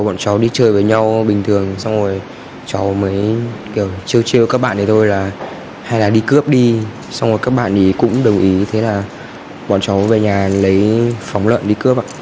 bọn cháu đi chơi với nhau bình thường xong rồi cháu mới kiểu trêu chia các bạn này thôi là hay là đi cướp đi xong rồi các bạn ý cũng đồng ý như thế là bọn cháu về nhà lấy phóng lợn đi cướp